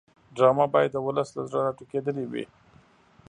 ډرامه باید د ولس له زړه راټوکېدلې وي